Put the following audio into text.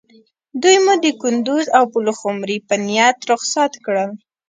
دوی مو د کندوز او پلخمري په نیت رخصت کړل.